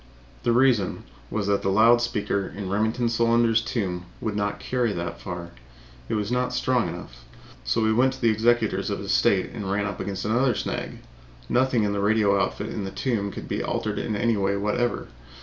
The reason was that the loud speaker in Remington Solander's tomb would not carry that far; it was not strong enough. So we went to the executors of his estate and ran up against another snag nothing in the radio outfit in the tomb could be altered in any way whatever.